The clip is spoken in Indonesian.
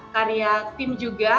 karya tim juga